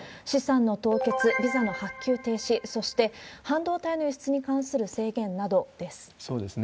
資産の凍結、ビザの発給停止、そして半導体の輸出に関する制限などです。